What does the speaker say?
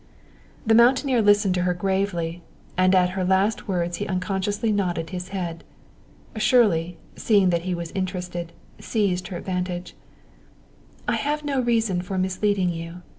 The mountaineer listened to her gravely, and at her last words he unconsciously nodded his head. Shirley, seeing that he was interested, seized her advantage. "I have no reason for misleading you.